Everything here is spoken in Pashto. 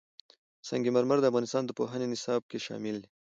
سنگ مرمر د افغانستان د پوهنې نصاب کې شامل دي.